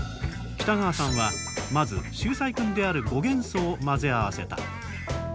北川さんはまず秀才くんである５元素を混ぜ合わせた。